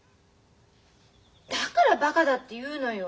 だからバカだって言うのよ。